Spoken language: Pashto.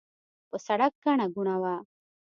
پر سړک ګڼه ګوڼه وه.